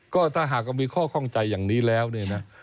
ก็ถ้าหากเรามีข้อข้องใจอย่างนี้แล้วเนี่ยนะ